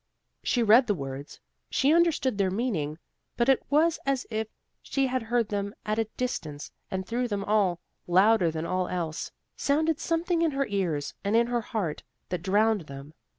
She read the words, she understood their meaning; but it was as if she heard them at a distance and through them all, louder than all else, sounded something in her ears and in her heart that drowned them.